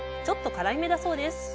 ちょっと辛いめだそうです。